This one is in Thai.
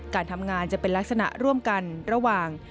การทำงานจะเป็นลักษณะร่วมกันระหว่าง